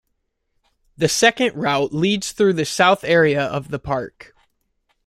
The second route leads through the south area of the park.